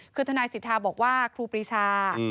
คือทนายสิทธาบอกว่าครูปรีชา